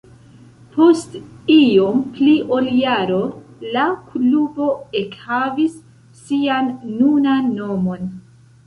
Post iom pli ol jaro la klubo ekhavis sian nunan nomon.